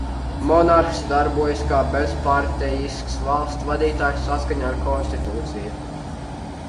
Monarhs darbojas kā bezpartejisks valsts vadītājs saskaņā ar konstitūciju.